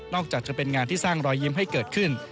จากจะเป็นงานที่สร้างรอยยิ้มให้เกิดขึ้น